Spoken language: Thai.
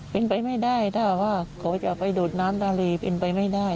เป็นไปไม่ได้ถ้าว่าเขาจะไปดูดน้ำทะเลเป็นไปไม่ได้